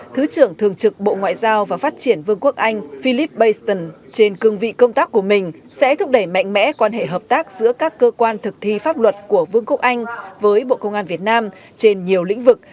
thứ trưởng thường trực bộ ngoại giao và phát triển vương quốc anh philip baston trên cương vị công tác của mình sẽ thúc đẩy mạnh mẽ quan hệ hợp tác giữa các cơ quan thực thi pháp luật của vương quốc anh với bộ công an việt nam trên nhiều lĩnh vực